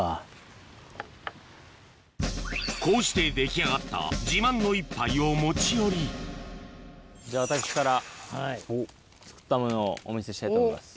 こうして出来上がった自慢の一杯を持ち寄りじゃあ私から作ったものをお見せしたいと思います。